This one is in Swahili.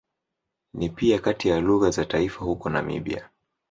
Ni pia kati ya lugha za taifa huko Namibia.